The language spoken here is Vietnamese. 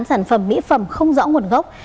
sản phẩm mỹ phẩm không rõ nguồn gốc